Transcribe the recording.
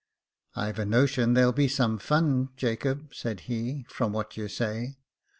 I've a notion there'll be some fun, Jacob," said he, from what you say."